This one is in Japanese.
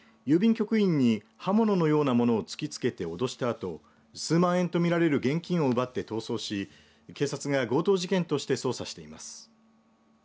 局員に刃物のようなものを突きつけておどしたあと数万円と見られる現金を奪って逃走し警察が強盗事件として捜査しています。